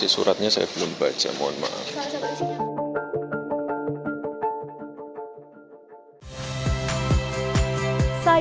dan surat itu kan diberikan dalam keputusan mk